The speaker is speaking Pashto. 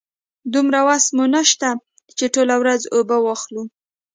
دومره وسه مو نشته چې ټوله ورځ اوبه واخلو.